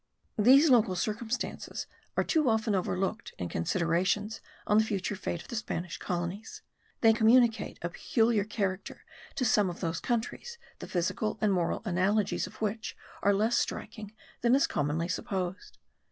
These local circumstances are too often overlooked in considerations on the future fate of the Spanish colonies; they communicate a peculiar character to some of those countries, the physical and moral analogies of which are less striking than is commonly supposed.